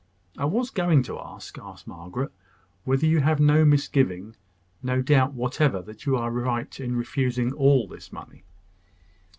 "I was going to ask," observed Margaret, "whether you have no misgiving no doubt whatever that you are right in refusing all this money."